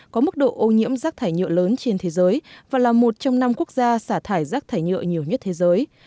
có mức độ ô nhiễm rác thải nhựa lớn trên thế giới và là một trong năm quốc gia xả thải rác thải nhựa nhiều nhất thế giới